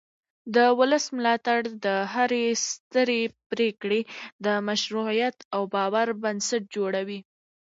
د ولس ملاتړ د هرې سترې پرېکړې د مشروعیت او باور بنسټ جوړوي